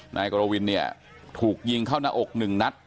นายกรวินเนี่ยถูกยิงเข้าหน้าอกหนึ่งนัด